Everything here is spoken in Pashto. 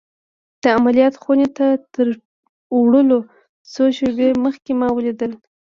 د عملیات خونې ته تر وړلو څو شېبې مخکې ما ولید